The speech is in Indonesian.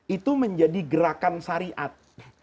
itu menjadi gerakan syariat